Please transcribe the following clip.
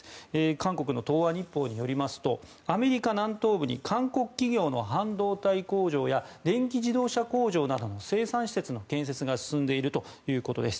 韓国の東亜日報によりますとアメリカ南東部に韓国企業の半導体工場や電気自動車工場などの生産施設の建設が進んでいるということです。